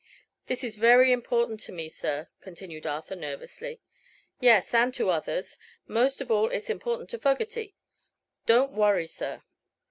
"This is very important to me, sir," continued Arthur, nervously. "Yes; and to others. Most of all it's important to Fogerty. Don't worry, sir."